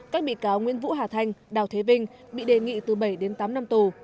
các bị cáo nguyễn vũ hà thanh đào thế vinh bị đề nghị từ bảy đến tám năm tù